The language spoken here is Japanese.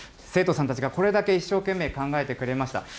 生徒さんたちがこれだけ一生懸命考えてくれました。